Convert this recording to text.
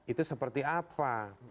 itu seperti apa